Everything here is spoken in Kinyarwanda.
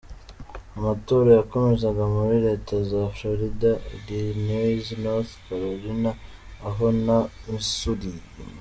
Amatora yakomezaga muri leta za Florida, Illinois, North Carolina, Ohio na Missouri.